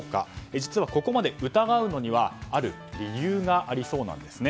実は、ここまで疑うのにはある理由がありそうなんですね。